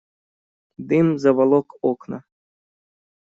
Дым заволок окна.